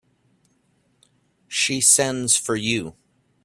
She sends for you.